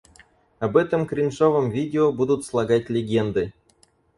Об этом кринжовом видео будут слагать легенды.